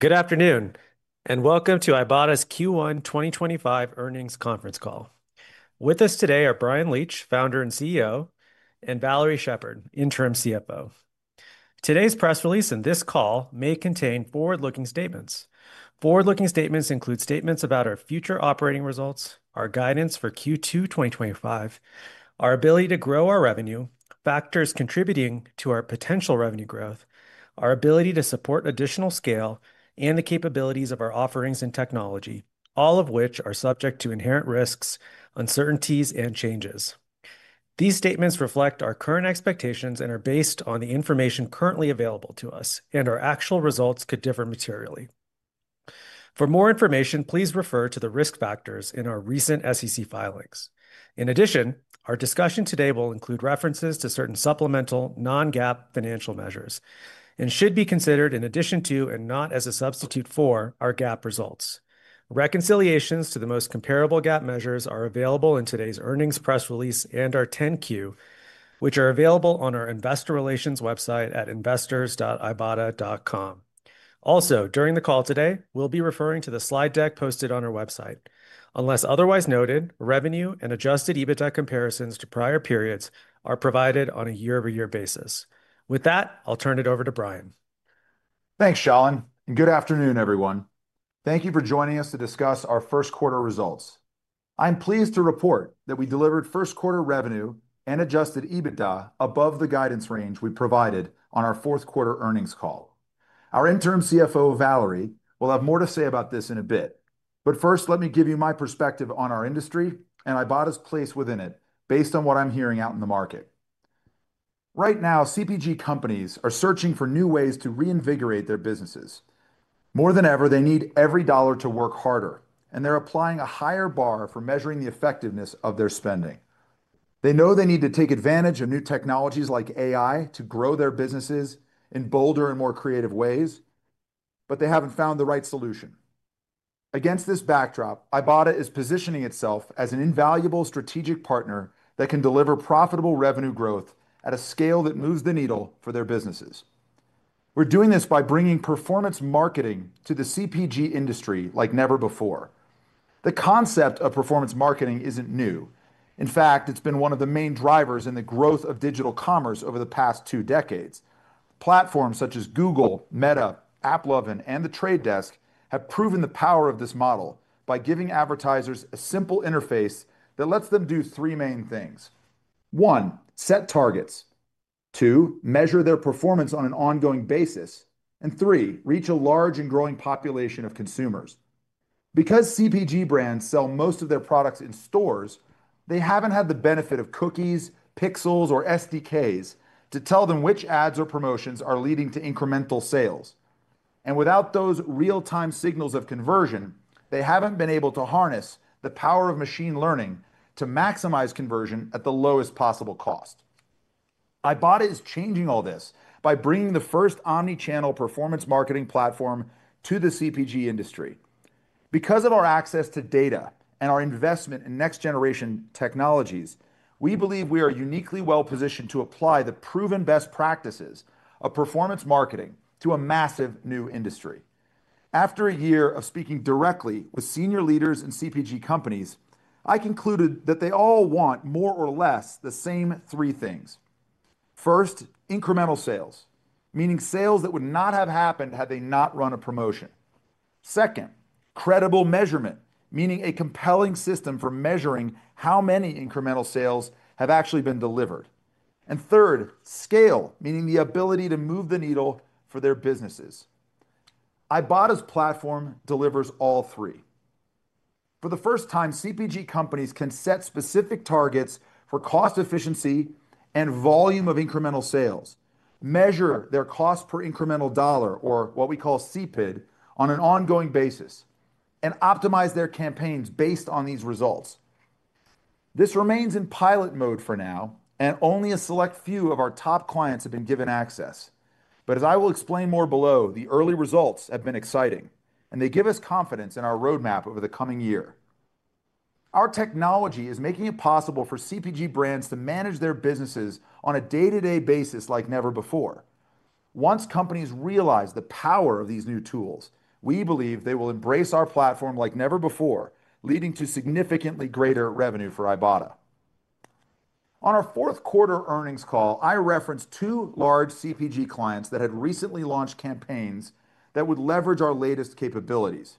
Good afternoon, and welcome to Ibotta's Q1 2025 earnings conference call. With us today are Bryan Leach, Founder and CEO, and Valarie Sheppard, Interim CFO. Today's press release and this call may contain forward-looking statements. Forward-looking statements include statements about our future operating results, our guidance for Q2 2025, our ability to grow our revenue, factors contributing to our potential revenue growth, our ability to support additional scale, and the capabilities of our offerings and technology, all of which are subject to inherent risks, uncertainties, and changes. These statements reflect our current expectations and are based on the information currently available to us, and our actual results could differ materially. For more information, please refer to the risk factors in our recent SEC filings. In addition, our discussion today will include references to certain supplemental non-GAAP financial measures and should be considered in addition to and not as a substitute for our GAAP results. Reconciliations to the most comparable GAAP measures are available in today's earnings press release and our 10-Q, which are available on our investor relations website at investors.ibotta.com. Also, during the call today, we'll be referring to the slide deck posted on our website. Unless otherwise noted, revenue and adjusted EBITDA comparisons to prior periods are provided on a year-over-year basis. With that, I'll turn it over to Bryan. Thanks, Shalin. Good afternoon, everyone. Thank you for joining us to discuss our first quarter results. I'm pleased to report that we delivered first quarter revenue and adjusted EBITDA above the guidance range we provided on our fourth quarter earnings call. Our Interim CFO, Valarie, will have more to say about this in a bit. First, let me give you my perspective on our industry and Ibotta's place within it based on what I'm hearing out in the market. Right now, CPG companies are searching for new ways to reinvigorate their businesses. More than ever, they need every dollar to work harder, and they're applying a higher bar for measuring the effectiveness of their spending. They know they need to take advantage of new technologies like AI to grow their businesses in bolder and more creative ways, but they haven't found the right solution. Against this backdrop, Ibotta is positioning itself as an invaluable strategic partner that can deliver profitable revenue growth at a scale that moves the needle for their businesses. We're doing this by bringing performance marketing to the CPG industry like never before. The concept of performance marketing isn't new. In fact, it's been one of the main drivers in the growth of digital commerce over the past two decades. Platforms such as Google, Meta, AppLovin, and The Trade Desk have proven the power of this model by giving advertisers a simple interface that lets them do three main things. One, set targets. Two, measure their performance on an ongoing basis. Three, reach a large and growing population of consumers. Because CPG brands sell most of their products in stores, they have not had the benefit of cookies, pixels, or SDKs to tell them which ads or promotions are leading to incremental sales. Without those real-time signals of conversion, they have not been able to harness the power of machine learning to maximize conversion at the lowest possible cost. Ibotta is changing all this by bringing the first omnichannel performance marketing platform to the CPG industry. Because of our access to data and our investment in next-generation technologies, we believe we are uniquely well-positioned to apply the proven best practices of performance marketing to a massive new industry. After a year of speaking directly with senior leaders and CPG companies, I concluded that they all want more or less the same three things. First, incremental sales, meaning sales that would not have happened had they not run a promotion. Second, credible measurement, meaning a compelling system for measuring how many incremental sales have actually been delivered. Third, scale, meaning the ability to move the needle for their businesses. Ibotta's platform delivers all three. For the first time, CPG companies can set specific targets for cost efficiency and volume of incremental sales, measure their cost per incremental dollar, or what we call CPID, on an ongoing basis, and optimize their campaigns based on these results. This remains in pilot mode for now, and only a select few of our top clients have been given access. As I will explain more below, the early results have been exciting, and they give us confidence in our roadmap over the coming year. Our technology is making it possible for CPG brands to manage their businesses on a day-to-day basis like never before. Once companies realize the power of these new tools, we believe they will embrace our platform like never before, leading to significantly greater revenue for Ibotta. On our fourth quarter earnings call, I referenced two large CPG clients that had recently launched campaigns that would leverage our latest capabilities.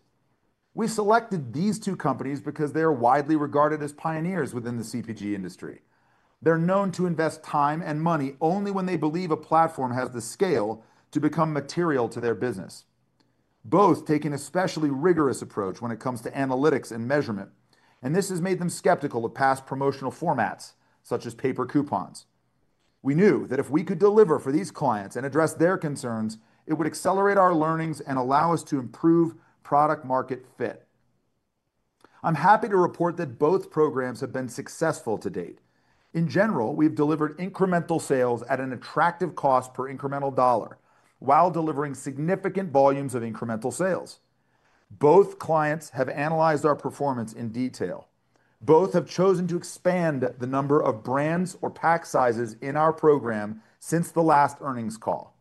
We selected these two companies because they are widely regarded as pioneers within the CPG industry. They're known to invest time and money only when they believe a platform has the scale to become material to their business. Both take an especially rigorous approach when it comes to analytics and measurement, and this has made them skeptical of past promotional formats such as paper coupons. We knew that if we could deliver for these clients and address their concerns, it would accelerate our learnings and allow us to improve product-market fit. I'm happy to report that both programs have been successful to date. In general, we've delivered incremental sales at an attractive cost per incremental dollar while delivering significant volumes of incremental sales. Both clients have analyzed our performance in detail. Both have chosen to expand the number of brands or pack sizes in our program since the last earnings call.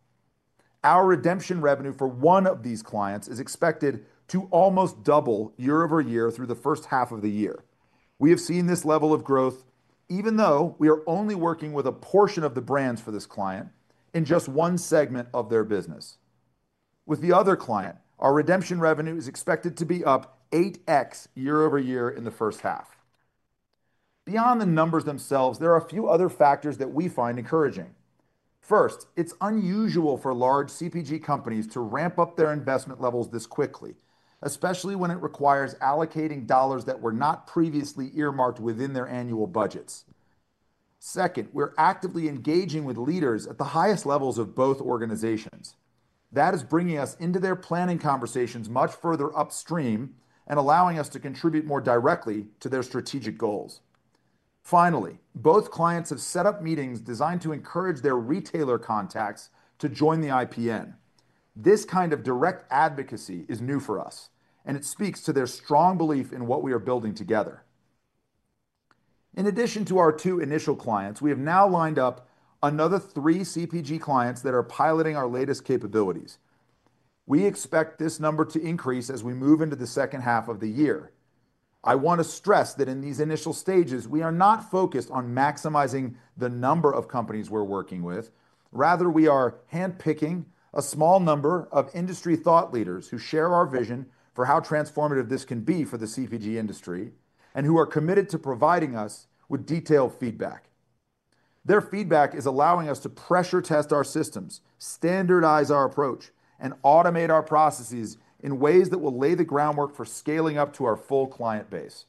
Our redemption revenue for one of these clients is expected to almost double year-over-year through the first half of the year. We have seen this level of growth even though we are only working with a portion of the brands for this client in just one segment of their business. With the other client, our redemption revenue is expected to be up 8x year-over-year in the first half. Beyond the numbers themselves, there are a few other factors that we find encouraging. First, it's unusual for large CPG companies to ramp up their investment levels this quickly, especially when it requires allocating dollars that were not previously earmarked within their annual budgets. Second, we're actively engaging with leaders at the highest levels of both organizations. That is bringing us into their planning conversations much further upstream and allowing us to contribute more directly to their strategic goals. Finally, both clients have set up meetings designed to encourage their retailer contacts to join the IPN. This kind of direct advocacy is new for us, and it speaks to their strong belief in what we are building together. In addition to our two initial clients, we have now lined up another three CPG clients that are piloting our latest capabilities. We expect this number to increase as we move into the second half of the year. I want to stress that in these initial stages, we are not focused on maximizing the number of companies we're working with. Rather, we are handpicking a small number of industry thought leaders who share our vision for how transformative this can be for the CPG industry and who are committed to providing us with detailed feedback. Their feedback is allowing us to pressure test our systems, standardize our approach, and automate our processes in ways that will lay the groundwork for scaling up to our full client base.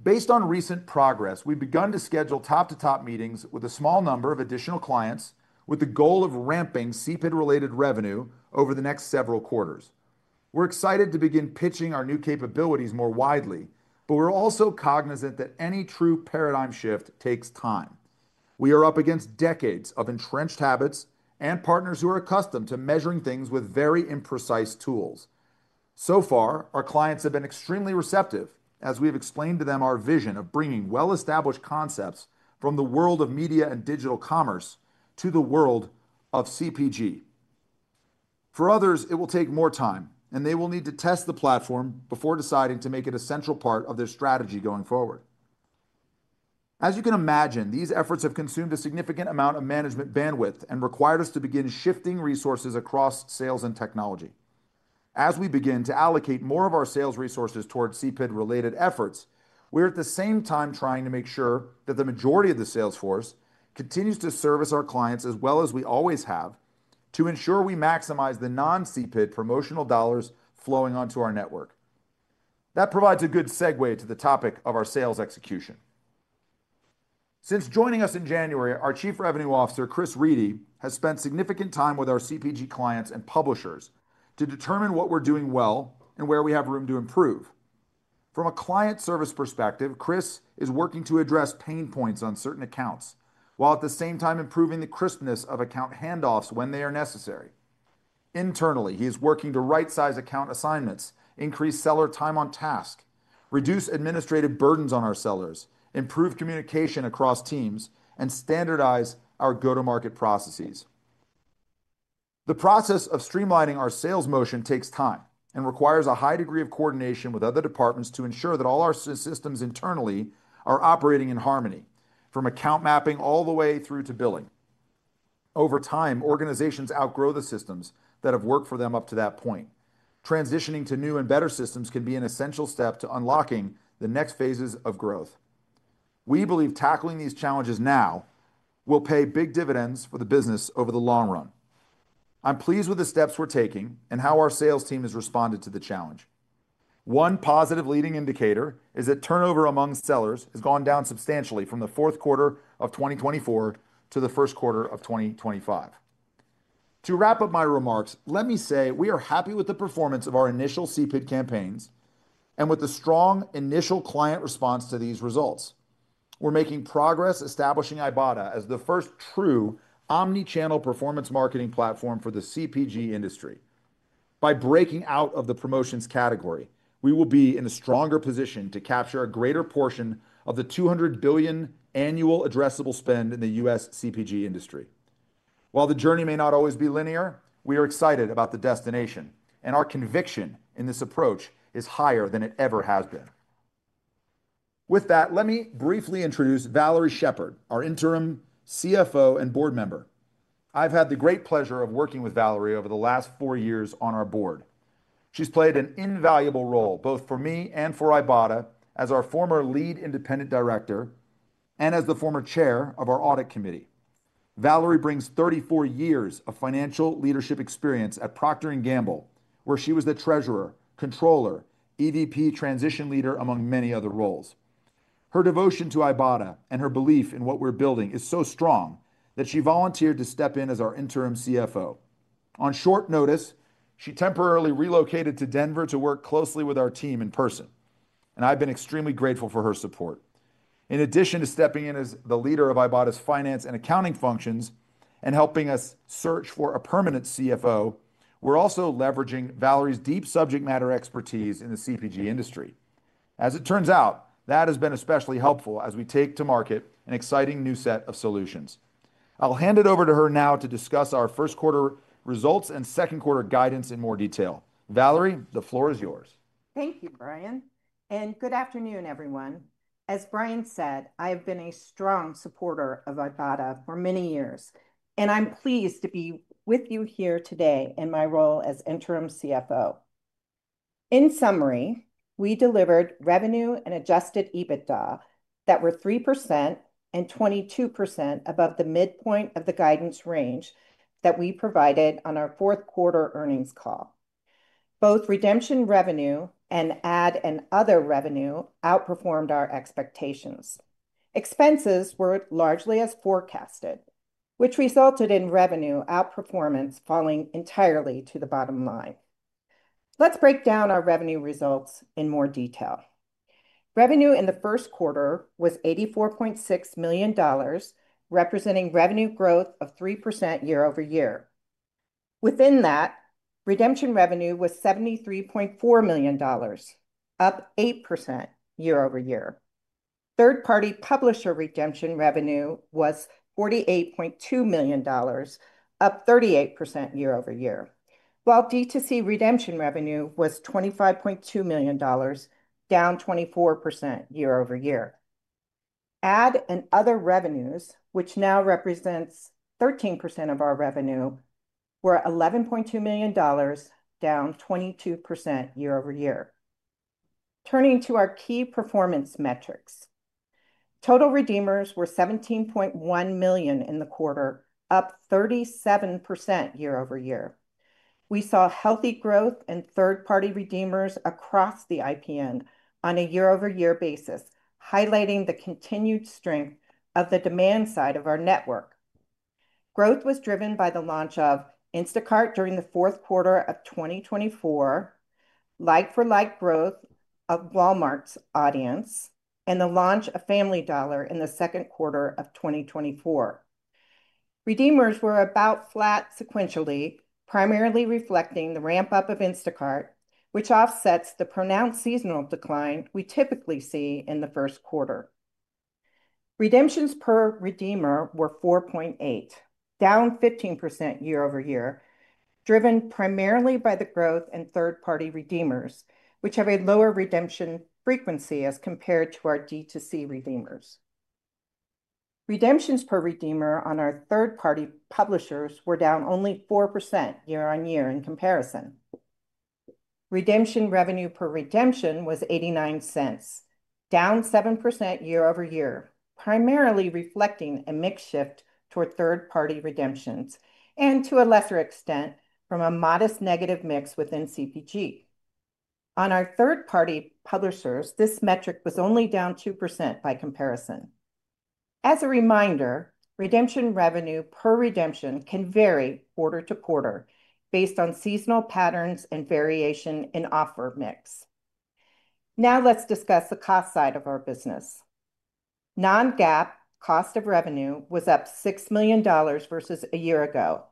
Based on recent progress, we've begun to schedule top-to-top meetings with a small number of additional clients with the goal of ramping CPID-related revenue over the next several quarters. We're excited to begin pitching our new capabilities more widely, but we're also cognizant that any true paradigm shift takes time. We are up against decades of entrenched habits and partners who are accustomed to measuring things with very imprecise tools. So far, our clients have been extremely receptive as we have explained to them our vision of bringing well-established concepts from the world of media and digital commerce to the world of CPG. For others, it will take more time, and they will need to test the platform before deciding to make it a central part of their strategy going forward. As you can imagine, these efforts have consumed a significant amount of management bandwidth and required us to begin shifting resources across sales and technology. As we begin to allocate more of our sales resources towards CPID-related efforts, we're at the same time trying to make sure that the majority of the sales force continues to service our clients as well as we always have to ensure we maximize the non-CPID promotional dollars flowing onto our network. That provides a good segue to the topic of our sales execution. Since joining us in January, our Chief Revenue Officer, Chris Reedy, has spent significant time with our CPG clients and publishers to determine what we're doing well and where we have room to improve. From a client service perspective, Chris is working to address pain points on certain accounts while at the same time improving the crispness of account handoffs when they are necessary. Internally, he is working to right-size account assignments, increase seller time on task, reduce administrative burdens on our sellers, improve communication across teams, and standardize our go-to-market processes. The process of streamlining our sales motion takes time and requires a high degree of coordination with other departments to ensure that all our systems internally are operating in harmony, from account mapping all the way through to billing. Over time, organizations outgrow the systems that have worked for them up to that point. Transitioning to new and better systems can be an essential step to unlocking the next phases of growth. We believe tackling these challenges now will pay big dividends for the business over the long run. I'm pleased with the steps we're taking and how our sales team has responded to the challenge. One positive leading indicator is that turnover among sellers has gone down substantially from the fourth quarter of 2024 to the first quarter of 2025. To wrap up my remarks, let me say we are happy with the performance of our initial CPID campaigns and with the strong initial client response to these results. We are making progress establishing Ibotta as the first true omnichannel performance marketing platform for the CPG industry. By breaking out of the promotions category, we will be in a stronger position to capture a greater portion of the $200 billion annual addressable spend in the U.S. CPG industry. While the journey may not always be linear, we are excited about the destination, and our conviction in this approach is higher than it ever has been. With that, let me briefly introduce Valarie Sheppard, our Interim CFO and board member. I've had the great pleasure of working with Valarie over the last four years on our board. She's played an invaluable role both for me and for Ibotta as our former lead independent director and as the former chair of our audit committee. Valarie brings 34 years of financial leadership experience at Procter & Gamble, where she was the treasurer, controller, EVP transition leader, among many other roles. Her devotion to Ibotta and her belief in what we're building is so strong that she volunteered to step in as our Interim CFO. On short notice, she temporarily relocated to Denver to work closely with our team in person, and I've been extremely grateful for her support. In addition to stepping in as the leader of Ibotta's finance and accounting functions and helping us search for a permanent CFO, we're also leveraging Valarie's deep subject matter expertise in the CPG industry. As it turns out, that has been especially helpful as we take to market an exciting new set of solutions. I'll hand it over to her now to discuss our first quarter results and second quarter guidance in more detail. Valarie, the floor is yours. Thank you, Bryan. And good afternoon, everyone. As Bryan said, I have been a strong supporter of Ibotta for many years, and I'm pleased to be with you here today in my role as Interim CFO. In summary, we delivered revenue and adjusted EBITDA that were 3% and 22% above the midpoint of the guidance range that we provided on our fourth quarter earnings call. Both redemption revenue and ad and other revenue outperformed our expectations. Expenses were largely as forecasted, which resulted in revenue outperformance falling entirely to the bottom line. Let's break down our revenue results in more detail. Revenue in the first quarter was $84.6 million, representing revenue growth of 3% year-over-year. Within that, redemption revenue was $73.4 million, up 8% year-over-year. Third-party publisher redemption revenue was $48.2 million, up 38% year-over-year, while D2C redemption revenue was $25.2 million, down 24% year-over-year. Ad and other revenues, which now represents 13% of our revenue, were $11.2 million, down 22% year-over-year. Turning to our key performance metrics, total redeemers were 17.1 million in the quarter, up 37% year-over-year. We saw healthy growth in third-party redeemers across the IPN on a year-over-year basis, highlighting the continued strength of the demand side of our network. Growth was driven by the launch of Instacart during the fourth quarter of 2024, like-for-like growth of Walmart's audience, and the launch of Family Dollar in the second quarter of 2024. Redeemers were about flat sequentially, primarily reflecting the ramp-up of Instacart, which offsets the pronounced seasonal decline we typically see in the first quarter. Redemptions per redeemer were 4.8, down 15% year-over-year, driven primarily by the growth in third-party redeemers, which have a lower redemption frequency as compared to our D2C redeemers. Redemptions per redeemer on our third-party publishers were down only 4% year-on-year in comparison. Redemption revenue per redemption was $0.89, down 7% year-over-year, primarily reflecting a mix shift toward third-party redemptions and, to a lesser extent, from a modest negative mix within CPG. On our third-party publishers, this metric was only down 2% by comparison. As a reminder, redemption revenue per redemption can vary quarter to quarter based on seasonal patterns and variation in offer mix. Now let's discuss the cost side of our business. Non-GAAP cost of revenue was up $6 million versus a year ago,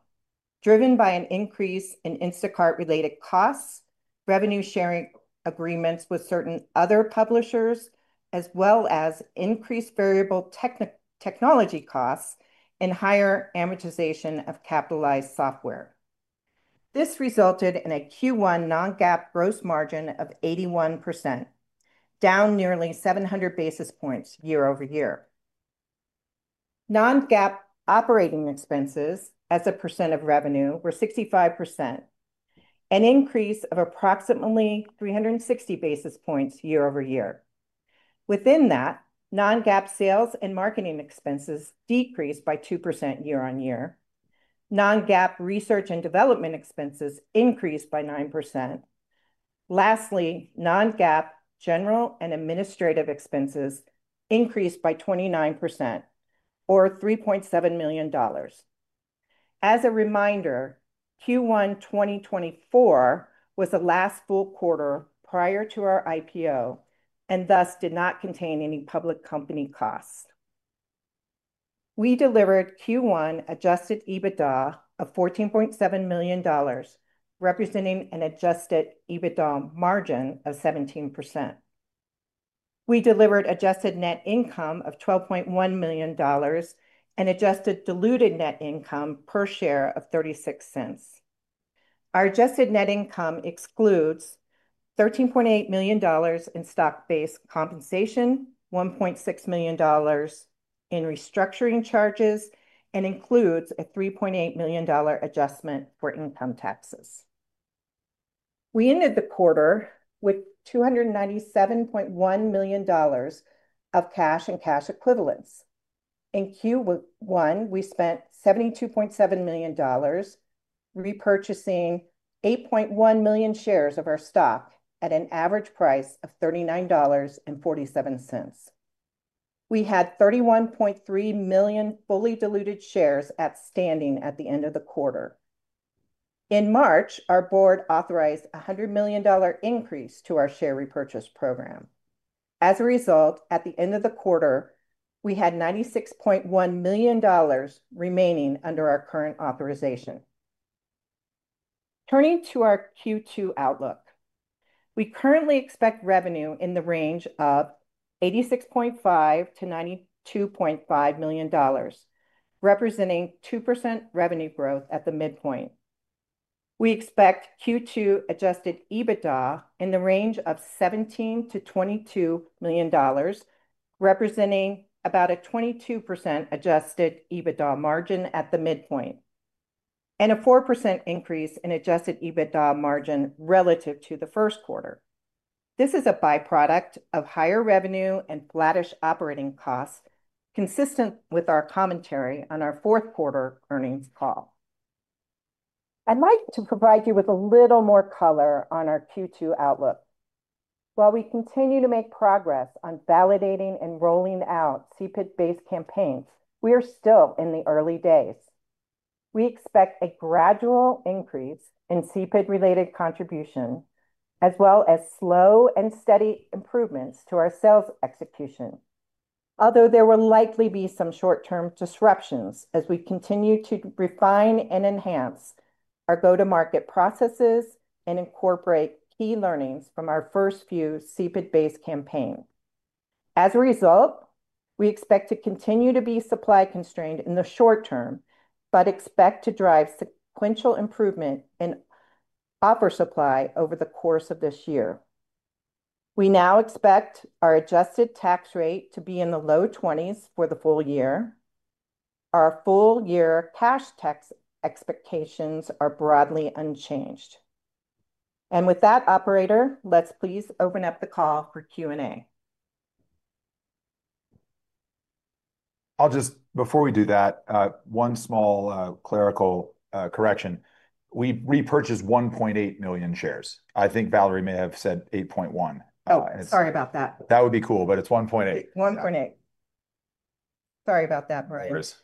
driven by an increase in Instacart-related costs, revenue-sharing agreements with certain other publishers, as well as increased variable technology costs and higher amortization of capitalized software. This resulted in a Q1 non-GAAP gross margin of 81%, down nearly 700 basis points year-over-year. Non-GAAP operating expenses as a percent of revenue were 65%, an increase of approximately 360 basis points year-over-year. Within that, non-GAAP sales and marketing expenses decreased by 2% year-on-year. Non-GAAP research and development expenses increased by 9%. Lastly, non-GAAP general and administrative expenses increased by 29%, or $3.7 million. As a reminder, Q1 2024 was the last full quarter prior to our IPO and thus did not contain any public company costs. We delivered Q1 adjusted EBITDA of $14.7 million, representing an adjusted EBITDA margin of 17%. We delivered adjusted net income of $12.1 million and adjusted diluted net income per share of $0.36. Our adjusted net income excludes $13.8 million in stock-based compensation, $1.6 million in restructuring charges, and includes a $3.8 million adjustment for income taxes. We ended the quarter with $297.1 million of cash and cash equivalents. In Q1, we spent $72.7 million repurchasing 8.1 million shares of our stock at an average price of $39.47. We had 31.3 million fully diluted shares outstanding at the end of the quarter. In March, our board authorized a $100 million increase to our share repurchase program. As a result, at the end of the quarter, we had $96.1 million remaining under our current authorization. Turning to our Q2 outlook, we currently expect revenue in the range of $86.5-$92.5 million, representing 2% revenue growth at the midpoint. We expect Q2 adjusted EBITDA in the range of $17-$22 million, representing about a 22% adjusted EBITDA margin at the midpoint, and a 4% increase in adjusted EBITDA margin relative to the first quarter. This is a byproduct of higher revenue and flattish operating costs, consistent with our commentary on our fourth quarter earnings call. I'd like to provide you with a little more color on our Q2 outlook. While we continue to make progress on validating and rolling out CPID-based campaigns, we are still in the early days. We expect a gradual increase in CPID-related contribution, as well as slow and steady improvements to our sales execution. Although there will likely be some short-term disruptions as we continue to refine and enhance our go-to-market processes and incorporate key learnings from our first few CPID-based campaigns. As a result, we expect to continue to be supply constrained in the short term, but expect to drive sequential improvement in offer supply over the course of this year. We now expect our adjusted tax rate to be in the low 20s for the full year. Our full-year cash tax expectations are broadly unchanged. With that, Operator, let's please open up the call for Q&A. I'll just, before we do that, one small clerical correction. We repurchased 1.8 million shares. I think Valarie may have said 8.1. Oh, sorry about that. That would be cool, but it's 1.8. 1.8. Sorry about that, Bryan. Chris.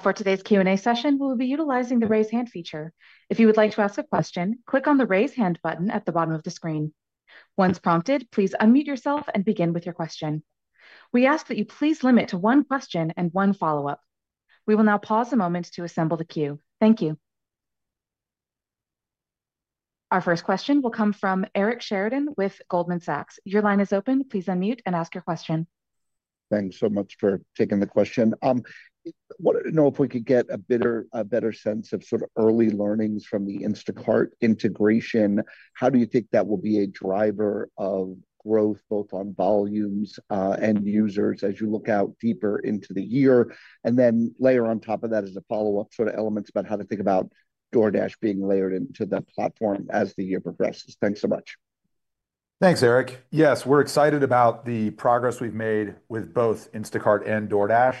For today's Q&A session, we'll be utilizing the raise hand feature. If you would like to ask a question, click on the raise hand button at the bottom of the screen. Once prompted, please unmute yourself and begin with your question. We ask that you please limit to one question and one follow-up. We will now pause a moment to assemble the queue. Thank you. Our first question will come from Eric Sheridan with Goldman Sachs. Your line is open. Please unmute and ask your question. Thanks so much for taking the question. I want to know if we could get a better sense of sort of early learnings from the Instacart integration. How do you think that will be a driver of growth, both on volumes and users, as you look out deeper into the year? Then layer on top of that as a follow-up sort of elements about how to think about DoorDash being layered into the platform as the year progresses. Thanks so much. Thanks, Eric. Yes, we're excited about the progress we've made with both Instacart and DoorDash.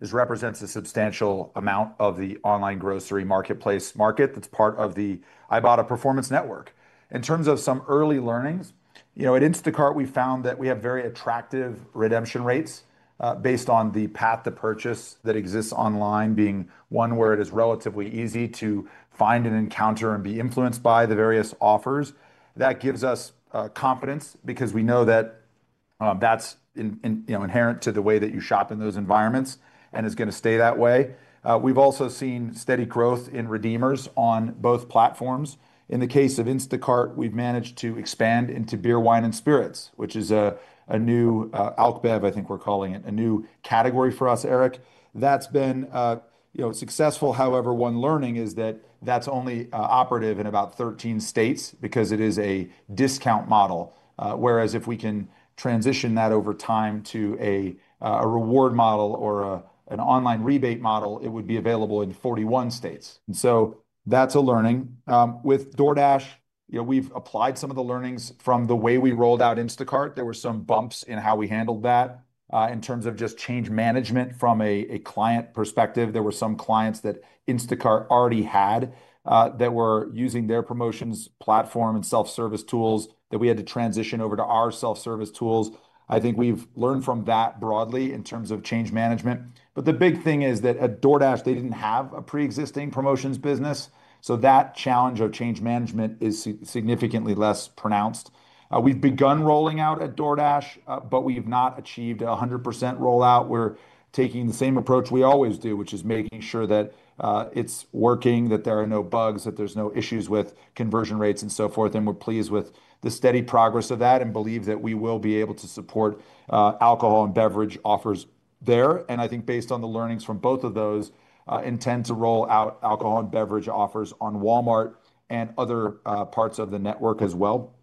This represents a substantial amount of the online grocery marketplace market that's part of the Ibotta Performance Network. In terms of some early learnings, you know, at Instacart, we found that we have very attractive redemption rates based on the path to purchase that exists online, being one where it is relatively easy to find and encounter and be influenced by the various offers. That gives us confidence because we know that that's inherent to the way that you shop in those environments and is going to stay that way. We've also seen steady growth in redeemers on both platforms. In the case of Instacart, we've managed to expand into beer, wine, and spirits, which is a new alc bev, I think we're calling it, a new category for us, Eric. That's been successful. However, one learning is that that's only operative in about 13 states because it is a discount model. Whereas if we can transition that over time to a reward model or an online rebate model, it would be available in 41 states. And so that's a learning. With DoorDash, we've applied some of the learnings from the way we rolled out Instacart. There were some bumps in how we handled that in terms of just change management from a client perspective. There were some clients that Instacart already had that were using their promotions platform and self-service tools that we had to transition over to our self-service tools. I think we've learned from that broadly in terms of change management. But the big thing is that at DoorDash, they didn't have a pre-existing promotions business, so that challenge of change management is significantly less pronounced. We've begun rolling out at DoorDash, but we have not achieved a 100% rollout. We're taking the same approach we always do, which is making sure that it's working, that there are no bugs, that there's no issues with conversion rates and so forth. We're pleased with the steady progress of that and believe that we will be able to support alcohol and beverage offers there. I think based on the learnings from both of those, we intend to roll out alcohol and beverage offers on Walmart and other parts of the network as well.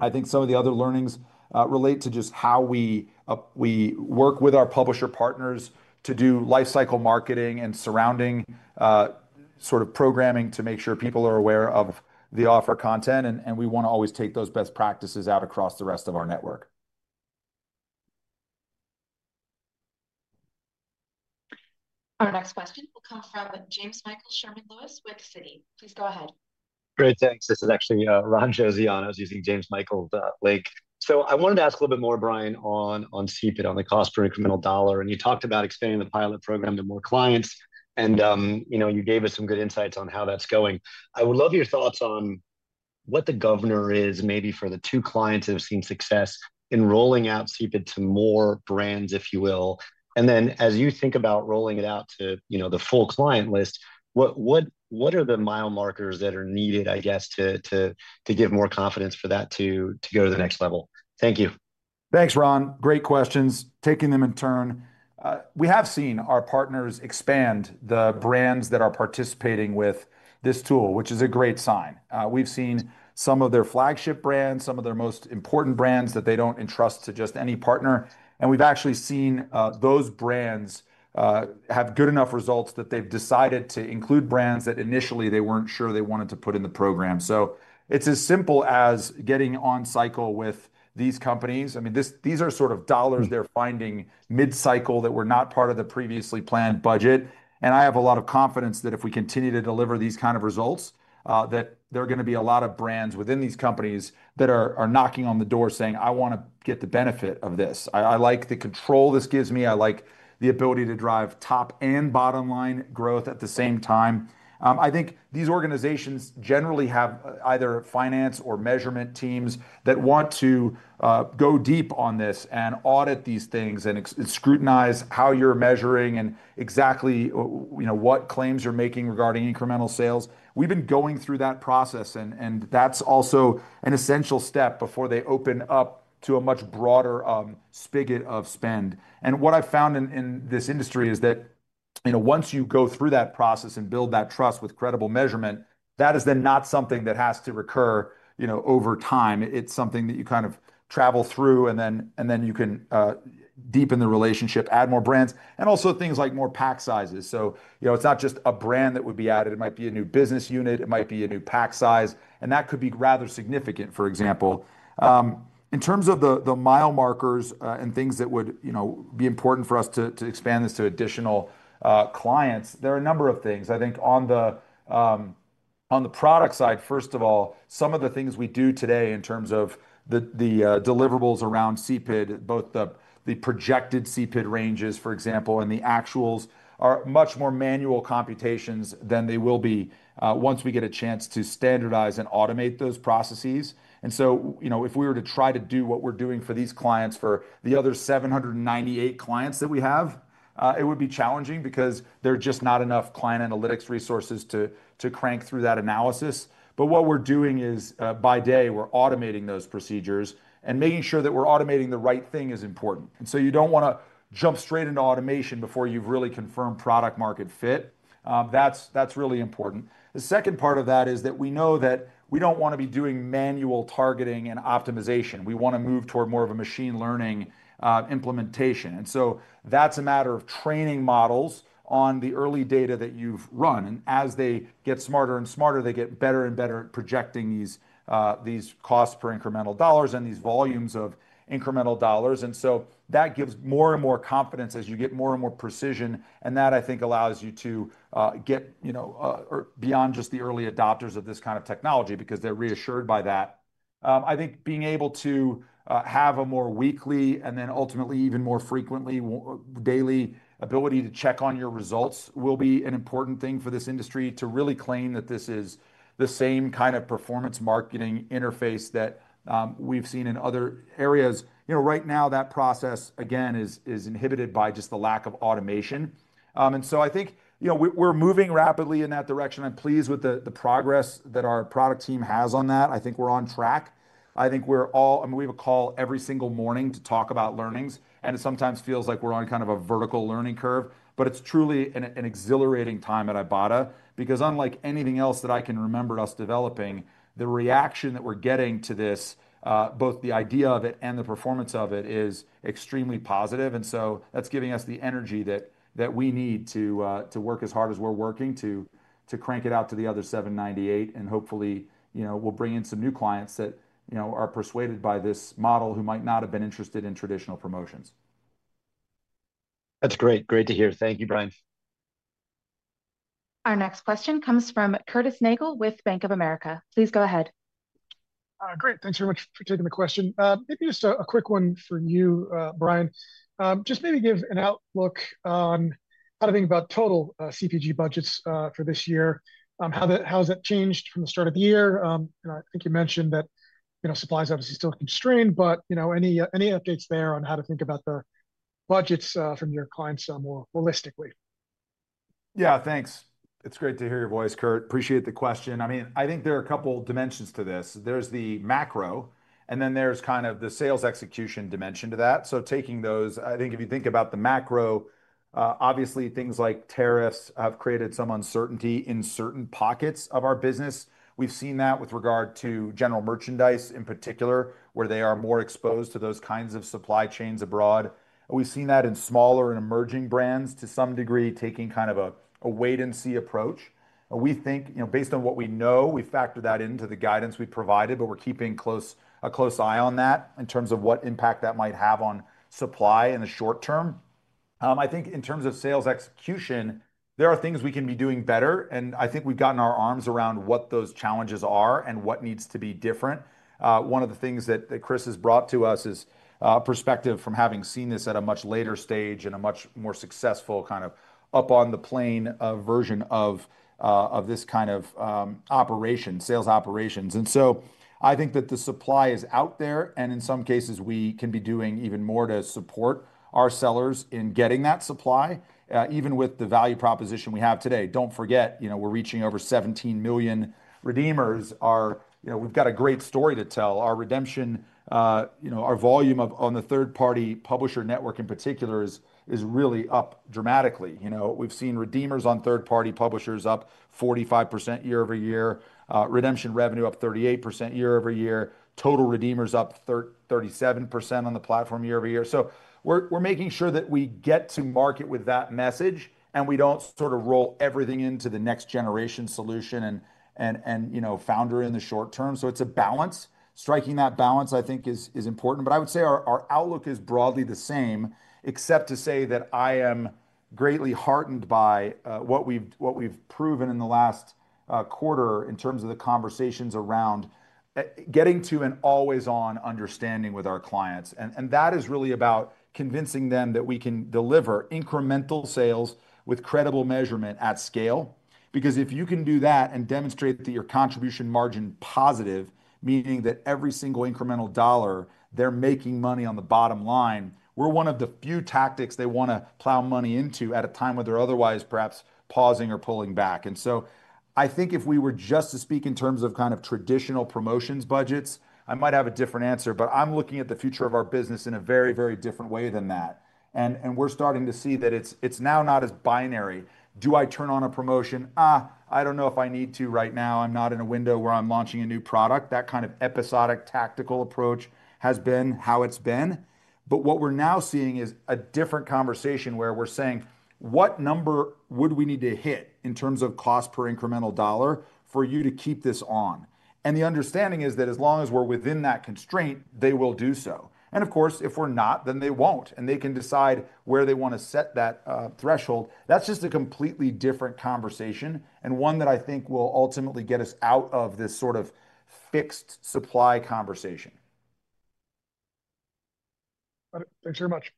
I think some of the other learnings relate to just how we work with our publisher partners to do lifecycle marketing and surrounding sort of programming to make sure people are aware of the offer content. We want to always take those best practices out across the rest of our network. Our next question will come from James Michael Sherman Lewis with Citi. Please go ahead. Great. Thanks. This is actually Ron Joseano. I was using James Michael Lake. I wanted to ask a little bit more, Bryan, on CPID, on the cost per incremental dollar. You talked about expanding the pilot program to more clients. You gave us some good insights on how that's going. I would love your thoughts on what the governor is maybe for the two clients who have seen success in rolling out CPID to more brands, if you will. As you think about rolling it out to the full client list, what are the mile markers that are needed, I guess, to give more confidence for that to go to the next level? Thank you. Thanks, Ron. Great questions. Taking them in turn. We have seen our partners expand the brands that are participating with this tool, which is a great sign. We've seen some of their flagship brands, some of their most important brands that they do not entrust to just any partner. We have actually seen those brands have good enough results that they have decided to include brands that initially they were not sure they wanted to put in the program. It is as simple as getting on cycle with these companies. I mean, these are sort of dollars they are finding mid-cycle that were not part of the previously planned budget. I have a lot of confidence that if we continue to deliver these kinds of results, there are going to be a lot of brands within these companies that are knocking on the door saying, "I want to get the benefit of this. I like the control this gives me. I like the ability to drive top and bottom line growth at the same time. I think these organizations generally have either finance or measurement teams that want to go deep on this and audit these things and scrutinize how you're measuring and exactly what claims you're making regarding incremental sales. We've been going through that process, and that's also an essential step before they open up to a much broader spigot of spend. What I've found in this industry is that once you go through that process and build that trust with credible measurement, that is then not something that has to recur over time. It's something that you kind of travel through, and then you can deepen the relationship, add more brands, and also things like more pack sizes. It is not just a brand that would be added. It might be a new business unit. It might be a new pack size. That could be rather significant, for example. In terms of the mile markers and things that would be important for us to expand this to additional clients, there are a number of things. I think on the product side, first of all, some of the things we do today in terms of the deliverables around CPID, both the projected CPID ranges, for example, and the actuals are much more manual computations than they will be once we get a chance to standardize and automate those processes. If we were to try to do what we are doing for these clients, for the other 798 clients that we have, it would be challenging because there are just not enough client analytics resources to crank through that analysis. What we are doing is, by day, we are automating those procedures. Making sure that we're automating the right thing is important. You do not want to jump straight into automation before you've really confirmed product-market fit. That is really important. The second part of that is that we know that we do not want to be doing manual targeting and optimization. We want to move toward more of a machine learning implementation. That is a matter of training models on the early data that you've run. As they get smarter and smarter, they get better and better at projecting these costs per incremental dollar and these volumes of incremental dollars. That gives more and more confidence as you get more and more precision. That, I think, allows you to get beyond just the early adopters of this kind of technology because they're reassured by that. I think being able to have a more weekly and then ultimately even more frequently daily ability to check on your results will be an important thing for this industry to really claim that this is the same kind of performance marketing interface that we've seen in other areas. Right now, that process, again, is inhibited by just the lack of automation. I think we're moving rapidly in that direction. I'm pleased with the progress that our product team has on that. I think we're on track. I think we're all, I mean, we have a call every single morning to talk about learnings. It sometimes feels like we're on kind of a vertical learning curve. It is truly an exhilarating time at Ibotta because unlike anything else that I can remember us developing, the reaction that we are getting to this, both the idea of it and the performance of it, is extremely positive. That is giving us the energy that we need to work as hard as we are working to crank it out to the other 798. Hopefully, we will bring in some new clients that are persuaded by this model who might not have been interested in traditional promotions. That is great. Great to hear. Thank you, Bryan. Our next question comes from Curtis Nagle with Bank of America. Please go ahead. Great. Thanks very much for taking the question. Maybe just a quick one for you, Bryan. Just maybe give an outlook on how to think about total CPG budgets for this year. How has that changed from the start of the year? I think you mentioned that supply is obviously still constrained, but any updates there on how to think about the budgets from your clients more holistically? Yeah, thanks. It's great to hear your voice, Curt. Appreciate the question. I mean, I think there are a couple of dimensions to this. There's the macro, and then there's kind of the sales execution dimension to that. Taking those, I think if you think about the macro, obviously things like tariffs have created some uncertainty in certain pockets of our business. We've seen that with regard to general merchandise in particular, where they are more exposed to those kinds of supply chains abroad. We've seen that in smaller and emerging brands to some degree taking kind of a wait-and-see approach. We think, based on what we know, we factor that into the guidance we've provided, but we're keeping a close eye on that in terms of what impact that might have on supply in the short term. I think in terms of sales execution, there are things we can be doing better. I think we've gotten our arms around what those challenges are and what needs to be different. One of the things that Chris has brought to us is perspective from having seen this at a much later stage and a much more successful kind of up-on-the-plane version of this kind of operation, sales operations. I think that the supply is out there. In some cases, we can be doing even more to support our sellers in getting that supply, even with the value proposition we have today. Don't forget, we're reaching over 17 million redeemers. We've got a great story to tell. Our redemption, our volume on the third-party publisher network in particular is really up dramatically. We've seen redeemers on third-party publishers up 45% year over year, redemption revenue up 38% year over year, total redeemers up 37% on the platform year over year. We are making sure that we get to market with that message and we don't sort of roll everything into the next-generation solution and founder in the short term. It is a balance. Striking that balance, I think, is important. I would say our outlook is broadly the same, except to say that I am greatly heartened by what we've proven in the last quarter in terms of the conversations around getting to an always-on understanding with our clients. That is really about convincing them that we can deliver incremental sales with credible measurement at scale. Because if you can do that and demonstrate that you are contribution margin positive, meaning that every single incremental dollar, they are making money on the bottom line, we are one of the few tactics they want to plow money into at a time when they are otherwise perhaps pausing or pulling back. I think if we were just to speak in terms of kind of traditional promotions budgets, I might have a different answer. I am looking at the future of our business in a very, very different way than that. We are starting to see that it is now not as binary. Do I turn on a promotion? I do not know if I need to right now. I am not in a window where I am launching a new product. That kind of episodic tactical approach has been how it's been. What we're now seeing is a different conversation where we're saying, "What number would we need to hit in terms of cost per incremental dollar for you to keep this on?" The understanding is that as long as we're within that constraint, they will do so. Of course, if we're not, then they won't. They can decide where they want to set that threshold. That's just a completely different conversation and one that I think will ultimately get us out of this sort of fixed supply conversation. Thanks very much.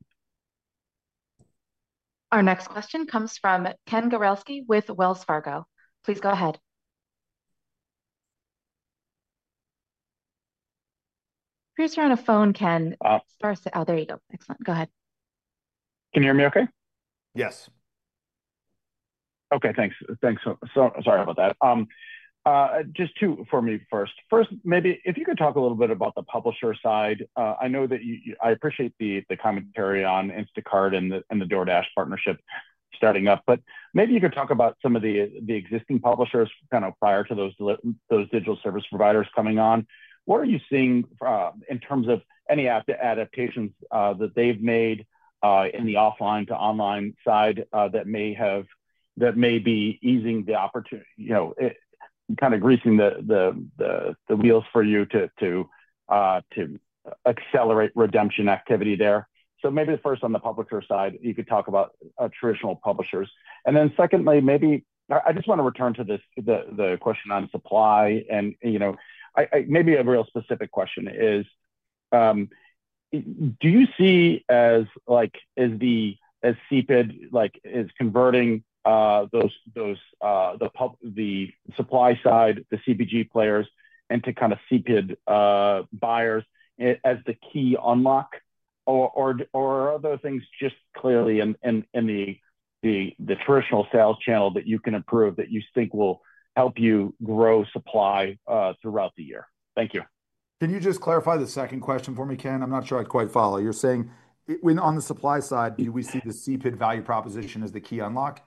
Our next question comes from Ken Guralsky with Wells Fargo. Please go ahead. Who's on a phone, Ken? Oh, There you go. Excellent. Go ahead. Can you hear me okay? Yes. Okay. Thanks. Thanks. Sorry about that. Just two for me first. First, maybe if you could talk a little bit about the publisher side. I know that I appreciate the commentary on Instacart and the DoorDash partnership starting up. Maybe you could talk about some of the existing publishers kind of prior to those digital service providers coming on. What are you seeing in terms of any adaptations that they've made in the offline to online side that may be easing the opportunity, kind of greasing the wheels for you to accelerate redemption activity there? Maybe first on the publisher side, you could talk about traditional publishers. Secondly, maybe I just want to return to the question on supply. Maybe a real specific question is, do you see as CPID is converting the supply side, the CPG players, into kind of CPID buyers as the key unlock, or are there things just clearly in the traditional sales channel that you can improve that you think will help you grow supply throughout the year? Thank you. Can you just clarify the second question for me, Ken? I'm not sure I quite follow. You're saying on the supply side, do we see the CPID value proposition as the key unlock?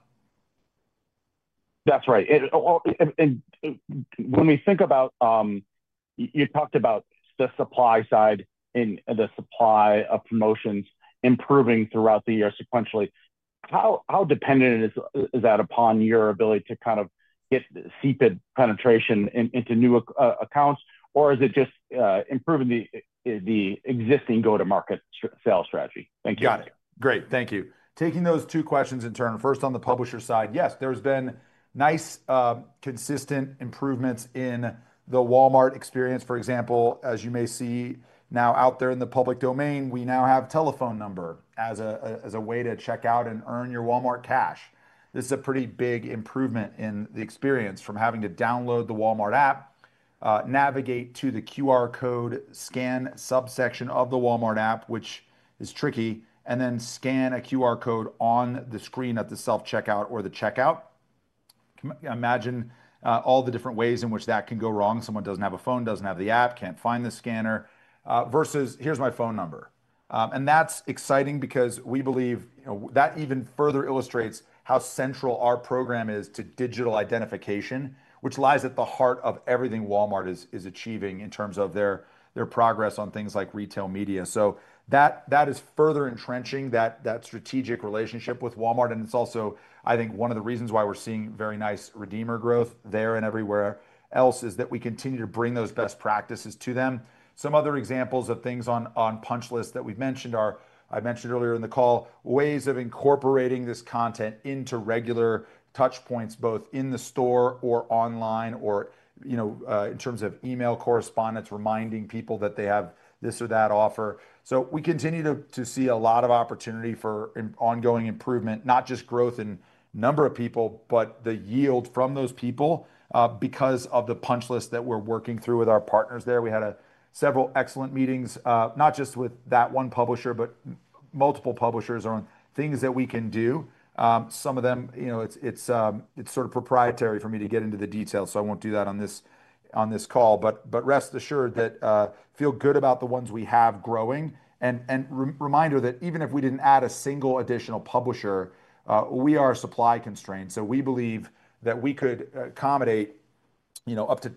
That's right. When we think about you talked about the supply side and the supply of promotions improving throughout the year sequentially. How dependent is that upon your ability to kind of get CPID penetration into new accounts, or is it just improving the existing go-to-market sales strategy? Thank you. Got it. Great. Thank you. Taking those two questions in turn. First, on the publisher side, yes, there have been nice consistent improvements in the Walmart experience. For example, as you may see now out there in the public domain, we now have a telephone number as a way to check out and earn your Walmart cash. This is a pretty big improvement in the experience from having to download the Walmart app, navigate to the QR code scan subsection of the Walmart app, which is tricky, and then scan a QR code on the screen at the self-checkout or the checkout. Imagine all the different ways in which that can go wrong. Someone doesn't have a phone, doesn't have the app, can't find the scanner, versus, "Here's my phone number." That is exciting because we believe that even further illustrates how central our program is to digital identification, which lies at the heart of everything Walmart is achieving in terms of their progress on things like retail media. That is further entrenching that strategic relationship with Walmart. It is also, I think, one of the reasons why we're seeing very nice redeemer growth there and everywhere else is that we continue to bring those best practices to them. Some other examples of things on punch list that we've mentioned are I mentioned earlier in the call, ways of incorporating this content into regular touchpoints, both in the store or online or in terms of email correspondence, reminding people that they have this or that offer. We continue to see a lot of opportunity for ongoing improvement, not just growth in number of people, but the yield from those people because of the punch list that we're working through with our partners there. We had several excellent meetings, not just with that one publisher, but multiple publishers on things that we can do. Some of them, it's sort of proprietary for me to get into the details, so I won't do that on this call. Rest assured that I feel good about the ones we have growing. Reminder that even if we didn't add a single additional publisher, we are supply constrained. We believe that we could accommodate up to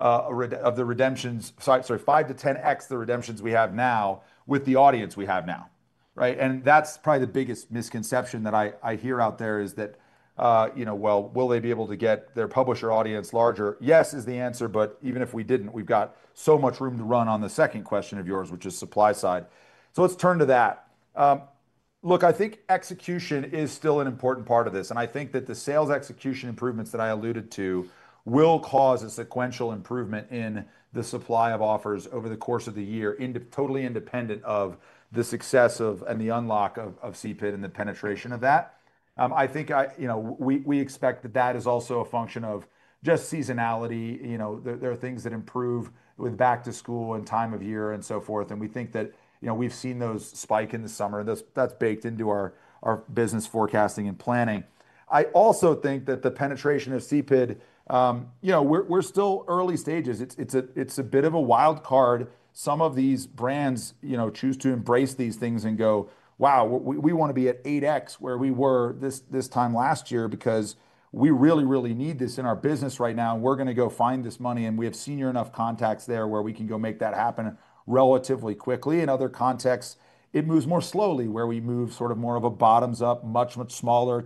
5-10x the redemptions we have now with the audience we have now. That is probably the biggest misconception that I hear out there, is that, will they be able to get their publisher audience larger? Yes is the answer. Even if we did not, we have got so much room to run on the second question of yours, which is supply side. Let us turn to that. Look, I think execution is still an important part of this. I think that the sales execution improvements that I alluded to will cause a sequential improvement in the supply of offers over the course of the year, totally independent of the success and the unlock of CPID and the penetration of that. I think we expect that that is also a function of just seasonality. There are things that improve with back to school and time of year and so forth. We think that we have seen those spike in the summer. That's baked into our business forecasting and planning. I also think that the penetration of CPID, we're still early stages. It's a bit of a wild card. Some of these brands choose to embrace these things and go, "Wow, we want to be at 8x where we were this time last year because we really, really need this in our business right now. We're going to go find this money." We have senior enough contacts there where we can go make that happen relatively quickly. In other contexts, it moves more slowly where we move sort of more of a bottoms-up, much, much smaller